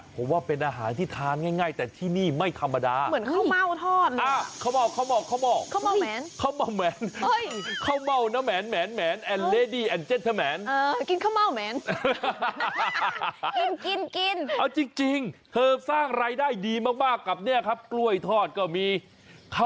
ผมว่าเป็นอาหารที่ทานง่ายแต่ที่นี่ไม่ธรรมดา